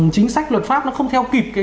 chính sách luật pháp nó không theo kịp